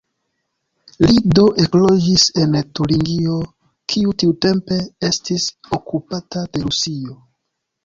Li do ekloĝis en Turingio, kiu tiutempe estis okupata de Rusio.